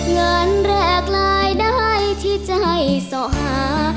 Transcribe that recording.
เงินแรกรายได้ที่ใจส่อหา